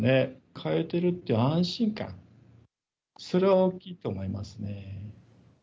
通えてるっていう安心感、それは大きいと思いますね。